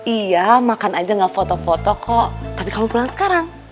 iya makan aja gak foto foto kok tapi kamu pulang sekarang